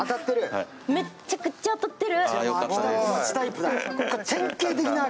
めっちゃくっちゃ当たってる。